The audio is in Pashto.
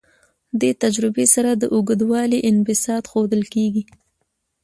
دې تجربې سره د اوږدوالي انبساط ښودل کیږي.